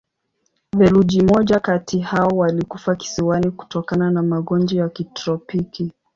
Theluji moja kati hao walikufa kisiwani kutokana na magonjwa ya kitropiki.